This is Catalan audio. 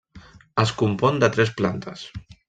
Es compon de tres plantes.